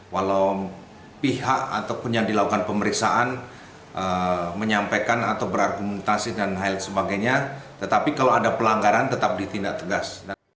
walau pihak ataupun yang dilakukan pemeriksaan menyampaikan atau berargumentasi dan lain sebagainya tetapi kalau ada pelanggaran tetap ditindak tegas